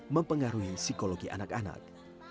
mempengaruhi psikologi anak anak